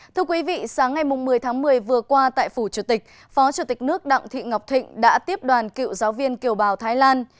thưa quý vị sáng ngày một mươi tháng một mươi vừa qua tại phủ chủ tịch phó chủ tịch nước đặng thị ngọc thịnh đã tiếp đoàn cựu giáo viên kiều bào thái lan